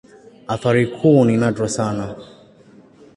Athari kuu ni nadra sana.